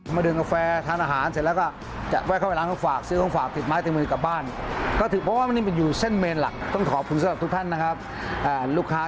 มาเดินกาแฟทานอาหารเสร็จแล้วก็แวะเข้าไปล้างห้องฝาก